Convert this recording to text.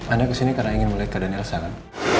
anda kesini karena ingin melihat keadaan el salah